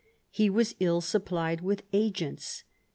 He was ill supplied with agents.